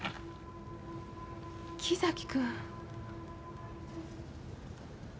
木崎君。